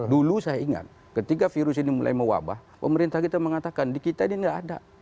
dulu saya ingat ketika virus ini mulai mewabah pemerintah kita mengatakan di kita ini tidak ada